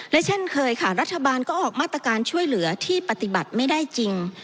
และเช่นเคยค่ะรัฐบาลก็ออกมาตรการช่วยเหลือที่ปฏิบัติไม่ได้จริง